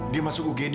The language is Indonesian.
dia masuk ugd